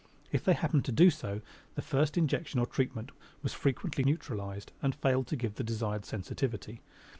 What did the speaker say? If they happened to do so the first injection or treatment was frequently neutralized and failed to give the desired sensitivity.